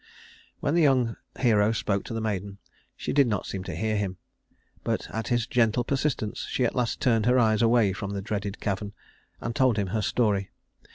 When the young hero spoke to the maiden, she did not seem to hear him, but, at his gentle persistence, she at last turned her eyes away from the dreaded cavern and told him her story.